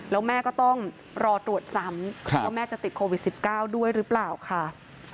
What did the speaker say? แล้วแม่ก็ต้องรอตรวจซ้ำว่าแม่จะติดโควิด๑๙ด้วยหรือเปล่าค่ะ